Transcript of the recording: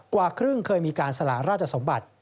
กว่าครึ่งเคยมีการสละราชสมบัติ